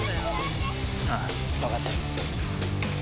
あぁ分かってる。